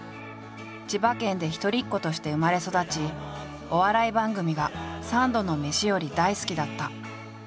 千葉県で一人っ子として生まれ育ちお笑い番組が三度の飯より大好きだった。